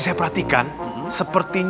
kalau ada tiga langit nih